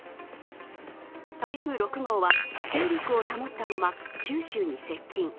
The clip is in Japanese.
台風６号は勢力を保ったまま九州に接近。